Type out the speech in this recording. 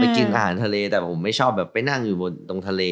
กินอาหารทะเลแต่ผมไม่ชอบแบบไปนั่งอยู่บนตรงทะเล